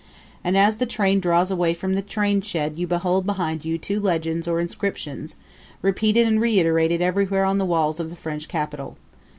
And as the train draws away from the trainshed you behold behind you two legends or inscriptions, repeated and reiterated everywhere on the walls of the French capital.